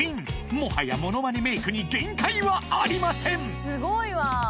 もはやものまねメイクに限界はありません